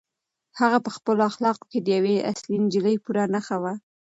هغه په خپلو اخلاقو کې د یوې اصیلې نجلۍ پوره نښه وه.